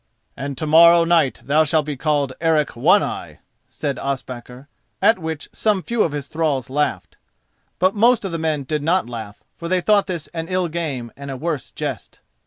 "And to morrow night thou shalt be called Eric One eye," said Ospakar—at which some few of his thralls laughed. But most of the men did not laugh, for they thought this an ill game and a worse jest.